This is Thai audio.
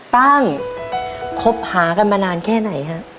ตั้งคบหากันมานานแค่ไหนฮะ